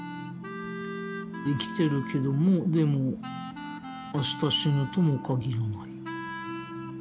生きてるけどもでも明日死ぬとも限らない。